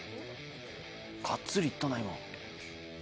がっつりいったな今。